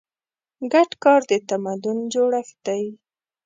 ګډ کار د تمدن جوړښت دی.